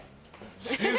先生。